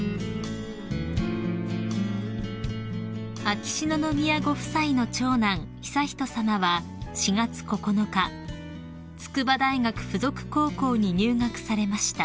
［秋篠宮ご夫妻の長男悠仁さまは４月９日筑波大学附属高校に入学されました］